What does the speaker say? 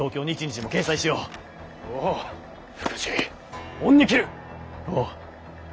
おう。